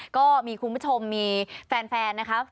ก็มีคุณผู้ชมมีแฟนนะคะ